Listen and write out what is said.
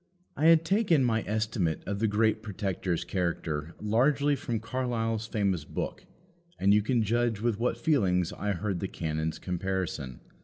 I had taken my estimate of the great Protector's character largely from Carlyle's famous book, and you can judge with what feelings I heard the canon's comparison.